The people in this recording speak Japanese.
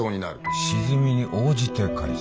沈みに応じて返せ。